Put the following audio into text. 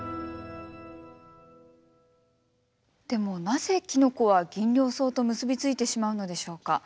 でもなぜキノコはギンリョウソウと結び付いてしまうのでしょうか。